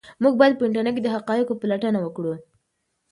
موږ باید په انټرنيټ کې د حقایقو پلټنه وکړو.